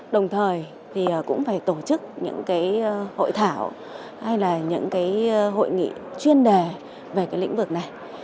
đồng thời cũng phải tổ chức những hội thảo hay những hội nghị chuyên đề về lĩnh vực này